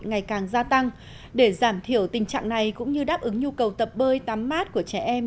ngày càng gia tăng để giảm thiểu tình trạng này cũng như đáp ứng nhu cầu tập bơi tắm mát của trẻ em